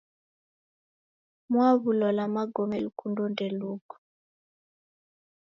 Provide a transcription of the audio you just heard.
Mwaw'u lola magome lukundo ndeluko